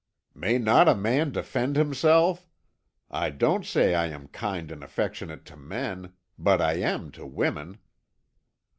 "May not a man defend himself? I don't say I am kind and affectionate to men; but I am to women."